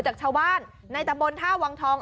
จากชาวบ้านในตำบลท่าวังทอง